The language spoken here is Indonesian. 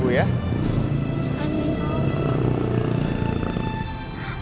terima kasih om